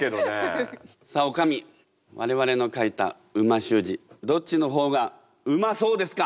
さあおかみ我々の書いた美味しゅう字どっちの方がうまそうですか？